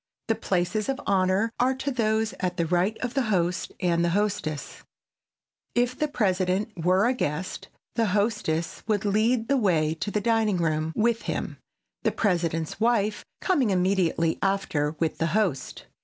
The places of honor are those at the right of the host and the hostess. If the President were a guest, the hostess would lead the way to the dining room with him, the President's wife coming immediately after with the host.